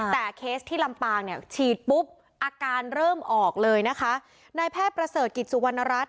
แต่เคสที่ลำปางเนี่ยฉีดปุ๊บอาการเริ่มออกเลยนะคะนายแพทย์ประเสริฐกิจสุวรรณรัฐ